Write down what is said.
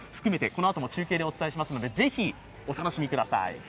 このあとも中継でお伝えしますので、ぜひお楽しみください。